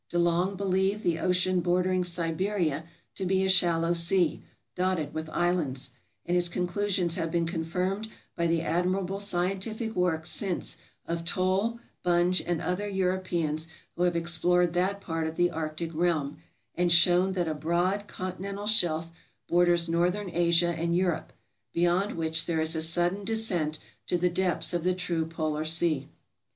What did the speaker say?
De Long believed the MISCELLANEOUS 459 ocean bordering Siberia to be a shallow sea, dotted with islands; and his conclusions have been confirmed by the admirable scientific work since of Toll, Bunge, and other Europeans who have explored that part of the arctic realm and shown that a broad "continental shelf" borders northern Asia and Europe, beyond which there is a sudden descent to the depths of the true polar sea.